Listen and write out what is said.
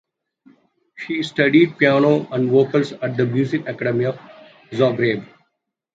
She studied piano and vocals at the music academy of Zagreb.